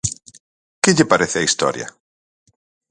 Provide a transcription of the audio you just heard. Que lle parece a historia?